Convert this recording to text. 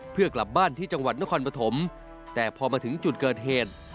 เพื่อกลับบ้านที่จังหวัดนครปฐมแต่พอมาถึงจุดเกิดเหตุ